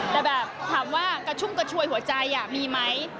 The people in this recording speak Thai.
แต่แบบถามว่ากระชุ่มกระชวยหัวใจมีไหม